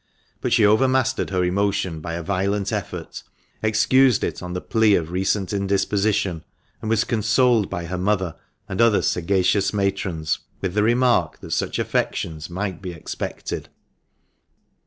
But she overmastered her emotion by a violent effort, excused it on the plea of recent indisposition, and was consoled by her mother and other sagacious matrons 410 THE MANCHESTER MAN. with the remark that such affections might be expected.